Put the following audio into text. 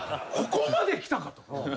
ここまできたかと。